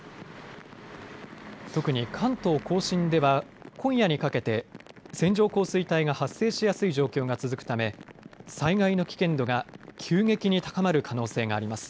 特に関東甲信では今夜にかけて線状降水帯が発生しやすい状況が続くため災害の危険度が急激に高まる可能性があります。